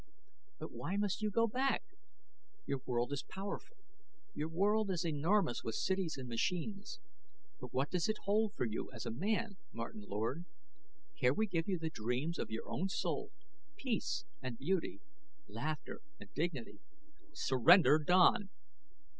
"But why must you go back? Your world is powerful; your world is enormous with cities and machines. But what does it hold for you as a man, Martin Lord? Here we give you the dreams of your own soul, peace and beauty, laughter and dignity." "Surrender, Don!"